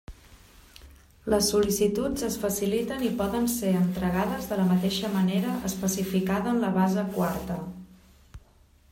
Les sol·licituds es faciliten i poden ser entregades de la mateixa manera especificada en la base quarta.